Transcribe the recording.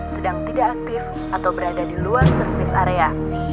sedang tidak aktif atau berada di luar service area